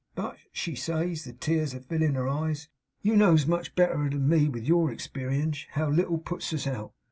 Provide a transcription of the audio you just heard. But," she says, the tears a fillin in her eyes, "you knows much betterer than me, with your experienge, how little puts us out.